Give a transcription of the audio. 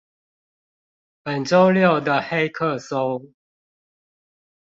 本週六的黑客松